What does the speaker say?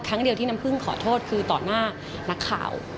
ครั้งเดียวที่น้ำพึ่งขอโทษคือต่อหน้านักข่าว